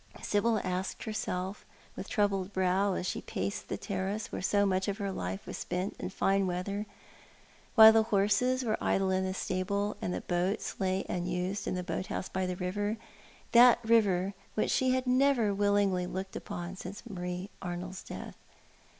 Sibyl asked herself with troubled brow, as she paced the terrace, where so much of her life was spent in fine weather, while the horses were idle in the stable, and the boats lay unused in the boat house by the river — that river which she had never willingly looked upon since Marie Arnold's death.